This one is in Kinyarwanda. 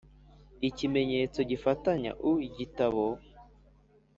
Ikimenyetso gifatanya u igitabo